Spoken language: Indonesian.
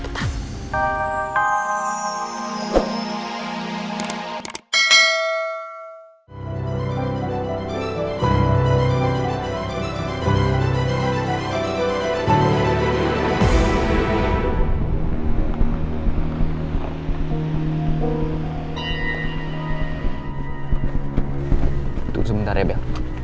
tunggu sebentar ya bel